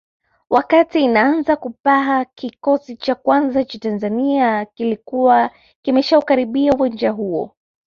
Wakati inaanza kupaa kikosi cha kwanza cha Tanzania kilikuwa kimeshaukaribia uwanja huo